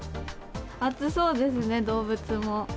暑そうですね、動物も。